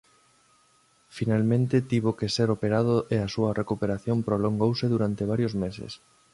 Finalmente tivo que ser operado e a súa recuperación prolongouse durante varios meses.